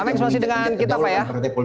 pak meks masih dengan kita apa ya